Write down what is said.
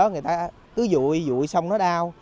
người ta cứ dụi dụi xong nó đau